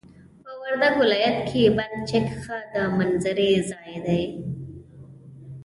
په وردګ ولايت کي بند چک ښه د منظرې ځاي دي.